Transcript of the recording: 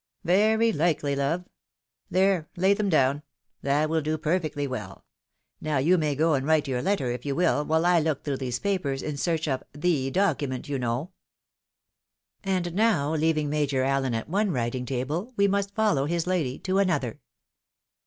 " Very likely, love. There, lay them down. That will do perfectly well ; now you may go and write your letter if you will, while I look through these papers in search of the document, you know." And now, leaving Major AUenat one writing table, we must follow his lady to another.